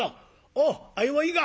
「おう相棒いいか？」。